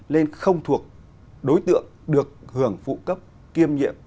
nên không thuộc đối tượng được hưởng phụ cấp kiêm nhiệm